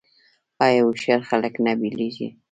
آیا هوښیار خلک نه بیلیږي؟